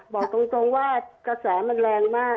บอกตรงว่ากระแสมันแรงมาก